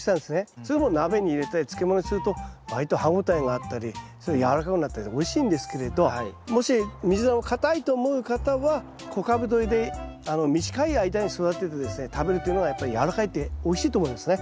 それを鍋に入れたり漬物にすると割と歯応えがあったりやわらかくなったりとおいしいんですけれどもしミズナを硬いと思う方は小株どりで短い間に育ててですね食べるというのがやっぱりやわらかくておいしいと思うんですね。